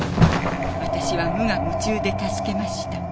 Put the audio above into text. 私は無我夢中で助けました。